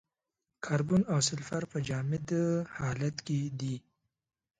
کاربن او سلفر په جامد حالت کې دي.